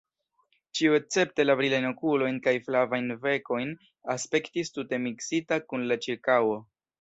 Ĉio escepte la brilajn okulojn kaj flavajn bekojn aspektis tute miksita kun la ĉirkaŭo.